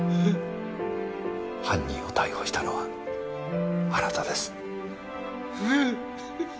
犯人を逮捕したのはあなたです。